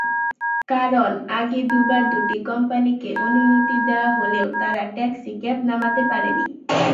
কারণ, আগে দুবার দুটি কোম্পানিকে অনুমতি দেওয়া হলেও তারা ট্যাক্সিক্যাব নামাতে পারেনি।